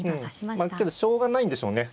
まあけどしょうがないんでしょうね。